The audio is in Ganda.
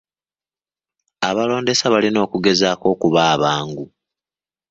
Abalondesa balina okugezaako okuba abangu.